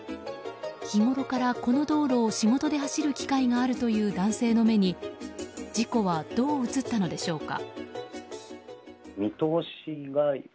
日ごろから、この道路を仕事で走る機会があるという男性の目に事故はどう映ったのでしょうか。